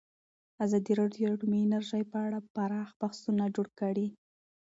ازادي راډیو د اټومي انرژي په اړه پراخ بحثونه جوړ کړي.